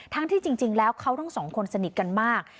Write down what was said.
ที่จริงแล้วเขาทั้งสองคนสนิทกันมาก